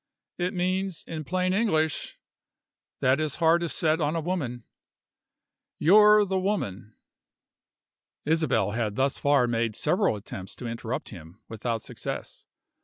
It means, in plain English, that his heart is set on a woman. You're the woman." Isabel had thus far made several attempts to interrupt him, without success.